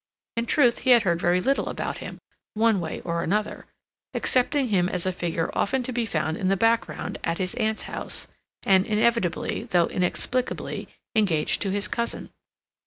In truth, he had heard very little about him, one way or another, accepting him as a figure often to be found in the background at his aunt's house, and inevitably, though inexplicably, engaged to his cousin.